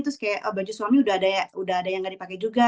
terus kayak baju suami udah ada yang nggak dipakai juga